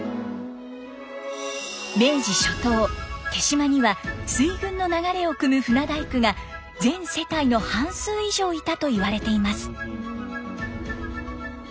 明治初頭手島には水軍の流れをくむ船大工が全世帯の半数以上いたといわれています。